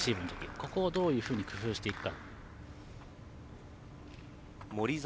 ここをどういうふうに工夫していくか。